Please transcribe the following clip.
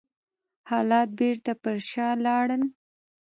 حالات بېرته پر شا لاړل.